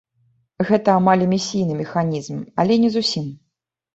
Гэта амаль эмісійны механізм, але не зусім.